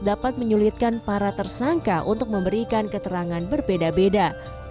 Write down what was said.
dapat menyulitkan para tersangka untuk memberikan keterangan berbeda beda